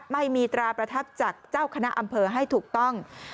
ไม่มีตราประทับจากเจ้าคณะอำเภอให้ถูกต้อง